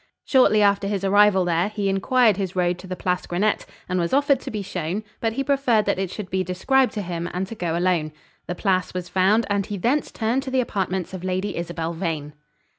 Shortly after his arrival there, he inquired his road to the Place Grenette, and was offered to be shown: but he preferred that it should be described to him, and to go alone. The Place was found, and he thence turned to the apartments of Lady Isabel Vane.